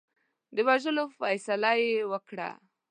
د وژلو فیصله یې وکړه.